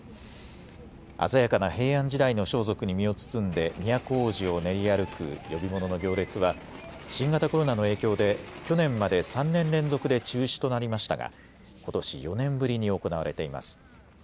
鮮やかな平安時代の装束に身を包んで都大路を練り歩く呼び物の行列は新型コロナの影響で去年まで３年連続で中止となりましたがことし４年ぶりに行われています。